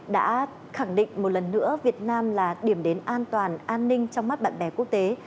đã khẳng định một lần nữa việt nam là điểm đến an toàn an ninh trong mắt bạn bè quốc tế